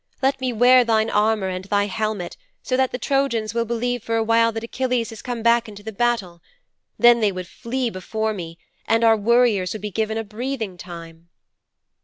Let me wear thine armour and thy helmet so that the Trojans will believe for a while that Achilles has come back into the battle. Then would they flee before me and our warriors would be given a breathing time."'